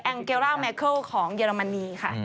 เกร่าแมเคิลของเยอรมนีค่ะ